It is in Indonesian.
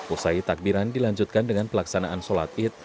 usai takbiran dilanjutkan dengan pelaksanaan sholat id